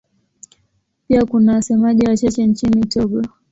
Pia kuna wasemaji wachache nchini Togo.